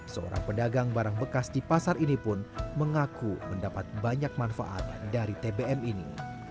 seorang pedagang barang bekas di pasar ini pun mengaku mendapat banyak manfaat dari tbm ini